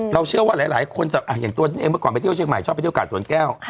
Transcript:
เชื่อว่าหลายคนอย่างตัวฉันเองเมื่อก่อนไปเที่ยวเชียงใหม่ชอบไปเที่ยวกาดสวนแก้ว